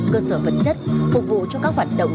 cơ sở vật chất phục vụ cho các hoạt động